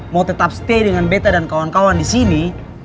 mau tetap stay dengan beta dan kawan kawan di sini